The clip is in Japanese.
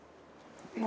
何？